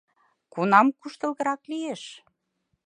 — Кунам куштылгырак лиеш?..